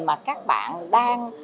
mà các bạn đang